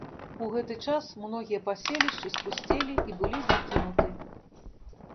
У гэты час многія паселішчы спусцелі і былі закінуты.